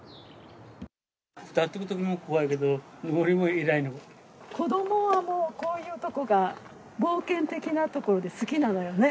下っていくときも怖いけど、子どもはもう、こういうとこが冒険的な所で、好きなのよね。